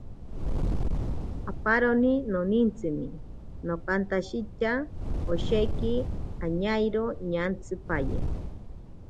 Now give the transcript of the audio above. Aparoni nonintsime nokantshitya, osheki anairo ñantsipaye.